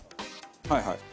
はいはい。